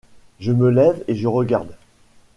Je me lève et je regarde.